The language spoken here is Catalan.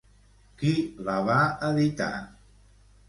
Qui la va editar?